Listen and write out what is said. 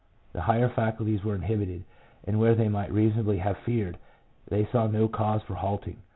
The higher faculties were inhibited, and where they might reasonably have feared, they saw no cause for halting.